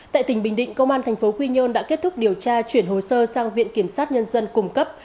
tại tỉnh bình định công an tp quy nhơn đã kết thúc điều tra chuyển hồ sơ sang viện kiểm sát nhân dân cung cấp